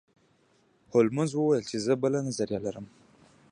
هولمز وویل چې زه بله نظریه لرم.